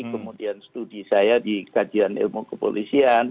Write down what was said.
kemudian studi saya di kajian ilmu kepolisian